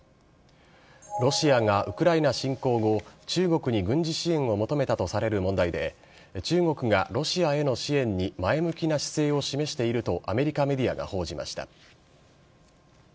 ロシアがウクライナ侵攻後、中国に軍事支援を求めたとされる問題で、中国がロシアへの支援に前向きな姿勢を示しているとアメリカメディアが報じました。